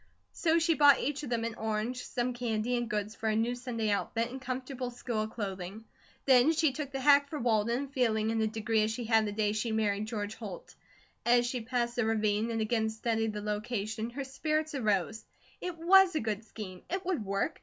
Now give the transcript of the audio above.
So she bought each of them an orange, some candy, and goods for a new Sunday outfit and comfortable school clothing. Then she took the hack for Walden, feeling in a degree as she had the day she married George Holt. As she passed the ravine and again studied the location her spirits arose. It WAS a good scheme. It would work.